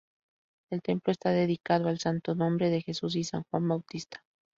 El templo está dedicado al Santo Nombre de Jesús y San Juan Bautista.